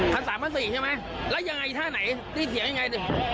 ท่านสาหรัฐพระศรีใช่ไหมแล้วยังไงท่านไหนตี้เถียงยังไง